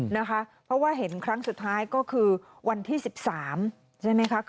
นะคะเพราะว่าเห็นครั้งสุดท้ายก็คือวันที่๑๓ใช่ไหมคะ